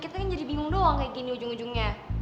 kita kan jadi bingung doang kayak gini ujung ujungnya